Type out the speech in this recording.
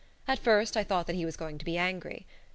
At first I thought that he was going to be angry.